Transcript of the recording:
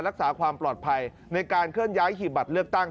รักษาความปลอดภัยในการเคลื่อนย้ายหีบบัตรเลือกตั้ง